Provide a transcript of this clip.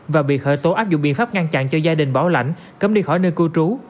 và bị khởi tố áp dụng biện pháp ngăn chặn cho gia đình bảo lãnh cấm đi khỏi nơi cư trú